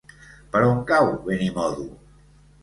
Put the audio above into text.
Per on cau Benimodo?